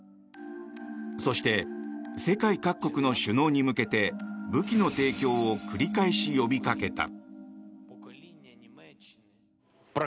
そして、世界各国の首脳に向けて武器の提供を繰り返し呼びかけた。